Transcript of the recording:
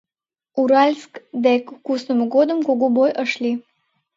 Уральск дек куснымо годым кугу бой ыш лий.